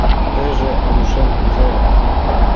Тыйже, Анушем, кузе?